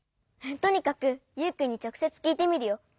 とにかくユウくんにちょくせつきいてみるよ。